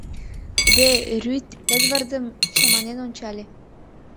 — Де Рюйт Эдвардым чаманен ончале.